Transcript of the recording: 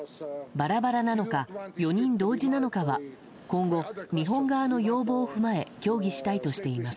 バラバラなのか４人同時なのかは今後、日本側の要望を踏まえ協議したいとしています。